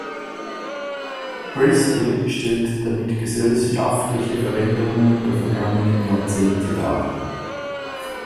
Priestley stellt damit gesellschaftliche Veränderungen der vergangenen Jahrzehnte dar.